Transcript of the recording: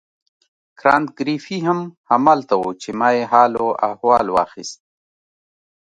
کانت ګریفي هم همالته وو چې ما یې حال و احوال واخیست.